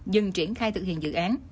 dừng triển khai thực hiện dự án